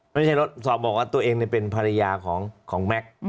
ไม่ใช่รถสอบบอกว่าตัวเองเป็นภรรยาของแม็กซ์